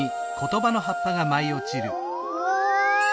うわ！